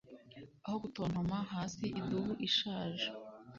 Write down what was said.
Aho gutontoma hasi idubu ishaje